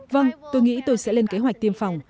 vâng tôi nghĩ tôi sẽ lên kế hoạch tiêm phòng